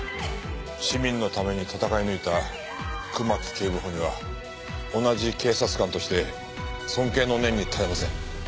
市民のために闘い抜いた熊木警部補には同じ警察官として尊敬の念に堪えません。